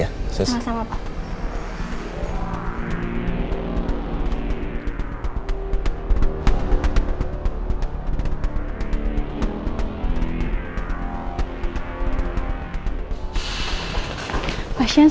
berarti tidak ada jessica disini